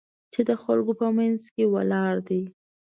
چې د خلکو په منځ کې ولاړ دی.